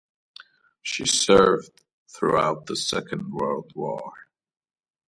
She served throughout the Second World War.